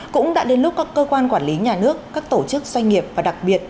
cũng đã đến lúc các cơ quan quản lý nhà nước các tổ chức doanh nghiệp và đặc biệt